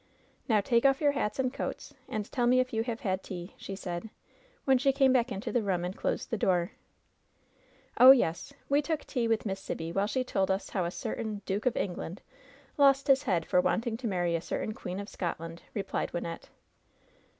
"Now take off your hats and coats, and tell me if you have had tea," she said, when she came back into the room and closed the door. "Oh, yes ! we took tea with Miss Sibby while she told us how a certain *Duke of England* lost his head for LOVE'S BITTEREST CUP 81 wanting to marry a certain Queen of Scotland," replied Wjnnette.